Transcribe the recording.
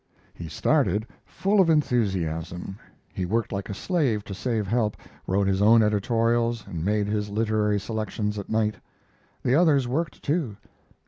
He started full of enthusiasm. He worked like a slave to save help: wrote his own editorials, and made his literary selections at night. The others worked too.